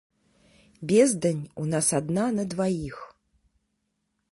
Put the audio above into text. Бездань у нас адна на дваіх.